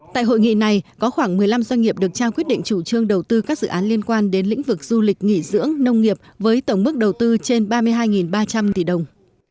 tại hội nghị này có khoảng một mươi năm doanh nghiệp được trao quyết định chủ trương đầu tư các dự án liên quan đến lĩnh vực du lịch nghỉ dưỡng nông nghiệp với tổng mức đầu tư trên ba mươi hai ba trăm linh tỷ đồng